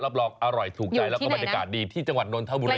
รองอร่อยถูกใจแล้วก็บรรยากาศดีที่จังหวัดนนทบุรี